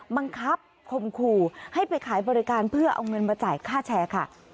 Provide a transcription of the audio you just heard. บังคับคมขู่ให้ไปขายบริการเพื่อเอาเงินมาจ่ายค่าแชร์ค่ะ